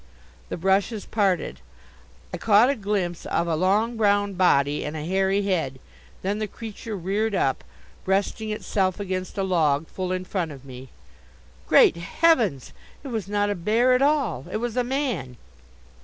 The brushes parted. I caught a glimpse of a long brown body and a hairy head. Then the creature reared up, breasting itself against a log, full in front of me. Great heavens! It was not a bear at all. It was a man.